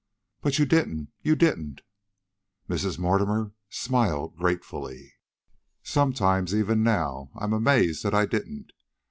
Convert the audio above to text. "But you didn't! You didn't!" Mrs. Mortimer smiled gratefully. "Sometimes, even now, I'm amazed that I didn't.